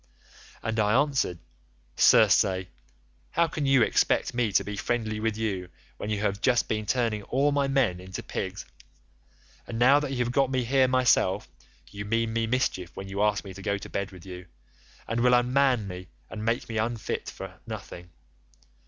"And I answered, 'Circe, how can you expect me to be friendly with you when you have just been turning all my men into pigs? And now that you have got me here myself, you mean me mischief when you ask me to go to bed with you, and will unman me and make me fit for nothing.